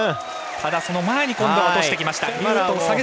ただ、その前に落としてきました。